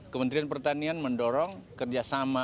kementerian pertanian mendorong kerjasama